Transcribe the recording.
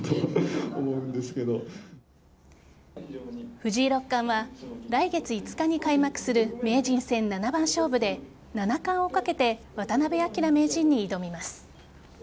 藤井六冠は来月５日に開幕する名人戦七番勝負で七冠をかけて渡辺明名人に挑みます。